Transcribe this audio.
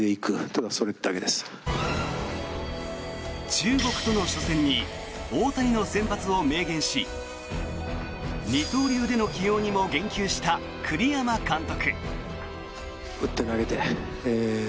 中国との初戦に大谷の先発を明言し二刀流での起用にも言及した栗山監督。